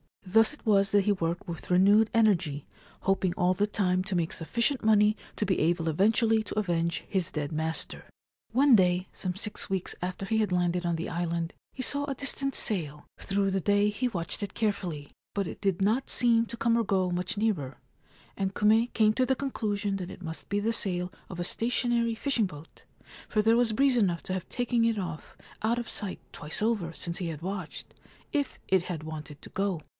Thus it was that he worked with renewed energy, hoping all the time to make sufficient money to be able eventually to avenge his dead master. One day, some six weeks after he had landed on the island, he saw a distant sail. Through the day he watched it carefully ; but it did not seem to come or go much nearer, and Kume came to the conclusion that it must be the sail of a stationary fishing boat, for there was breeze enough to have taken it ofF out of sight twice over since he had watched, if it had wanted to go.